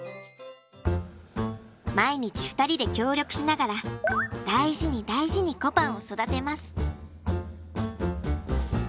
毎日２人で協力しながら大事に大事にこぱんを育てます。